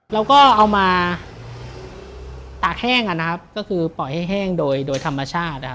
เราก็เอามาตากแห้งก็คือปล่อยให้แห้งโดยธรรมชาติ